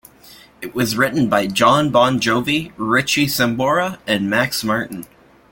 It was written by Jon Bon Jovi, Richie Sambora, and Max Martin.